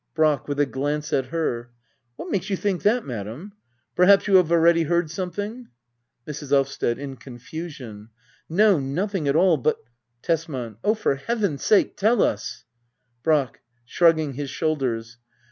Brack. [With a glance at her,] What makes you think that, Madam } Perhaps you have already heard something } Mrs. Elvsted. [In confusion,] No, nothing at all, but Tesman. Oh, for heaven's sake, tell us ! Brack. [Shrugging his shoulders.